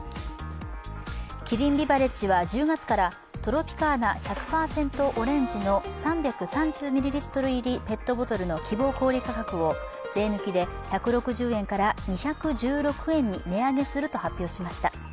キリンビバレッジは１０月からトロピカーナ１００％オレンジの３３０ミリリットル入りペットボトルの希望小売価格を税抜きで１６０円から２１６円に値上げすると発表しました。